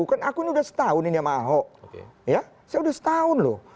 kan aku ini sudah setahun ini sama ahok saya sudah setahun loh